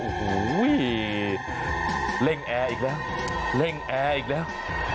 โอ้โหเร่งแอร์อีกแล้วเร่งแอร์อีกแล้ว